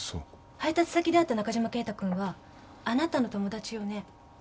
配達先で会った中嶋敬太くんはあなたの友達よね？